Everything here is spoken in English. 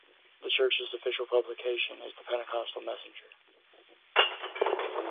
The church's official publication is "The Pentecostal Messenger".